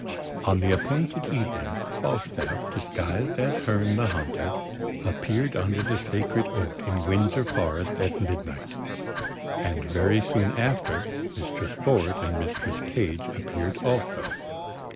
On the appointed evening, Falstaff, disguised as Herne the Hunter, appeared under the Sacred Oak in Windsor Forest at midnight; and very soon after Mistress Ford and Mistress Page appeared also.